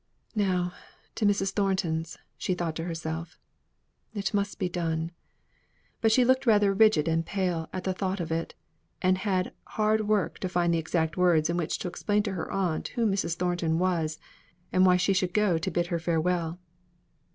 "Now to Mrs. Thornton's," thought she to herself. "It must be done." But she looked rather rigid and pale at the thoughts of it, and had hard work to find the exact words in which to explain to her aunt who Mrs. Thornton was, and why she should go to bid her farewell.